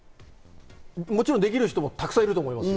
もちろんできる人もたくさんいると思います。